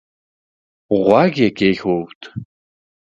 غوږ يې کېښود.